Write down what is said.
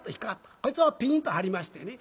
こいつをピンと張りましてね